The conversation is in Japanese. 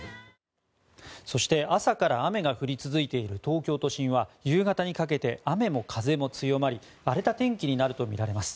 そして朝から雨が降り続いている東京都心は夕方にかけて雨も風も強まり荒れた天気になるとみられます。